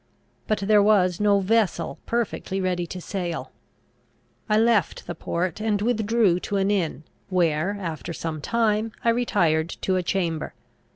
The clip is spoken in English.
But there was no vessel perfectly ready to sail. I left the port, and withdrew to an inn, where, after some time, I retired to a chamber.